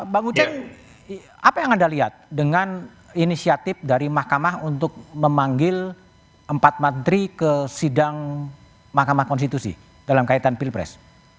bang uceng apa yang anda lihat dengan inisiatif dari mahkamah untuk memanggil empat madri ke sidang mahkamah konstitusi dalam kaitan pilpres